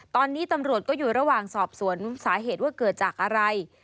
ตอนนี้ตำรวจก็อยู่ระหว่างสอบสวนสาเหตุว่าเกิดจากอะไร